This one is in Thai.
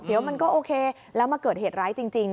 เดี๋ยวมันก็โอเคแล้วมาเกิดเหตุร้ายจริง